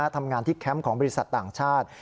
ทำงานที่แคมป์ของบริษัทต่างชาติ